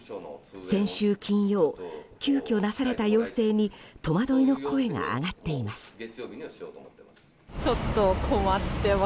先週金曜、急遽出された要請に戸惑いの声が上がっています。